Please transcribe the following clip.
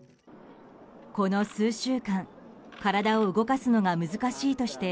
この数週間体を動かすのが難しいとして